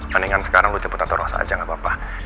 mendingan sekarang lo jeput atur rosa aja gak apa apa